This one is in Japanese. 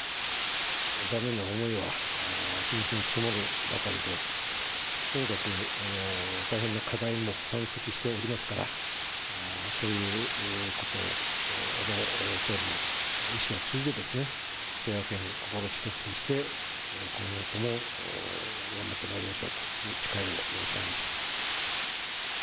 残念な思いは、日に日に積もるばかりで、とにかく大変な課題も山積しておりますから、そういうことで、安倍総理の遺志を継いで、清和研、心を一つにして、今後とも頑張ってまいりましょうという誓いを申し上げました。